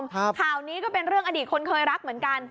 ข่าวนี้ก็เป็นเรื่องอดีตคนเคยรักเหมือนกัน